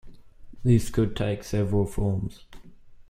This could take several forms.